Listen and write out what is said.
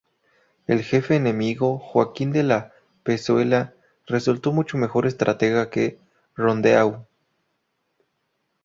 El jefe enemigo, Joaquín de la Pezuela, resultó mucho mejor estratega que Rondeau.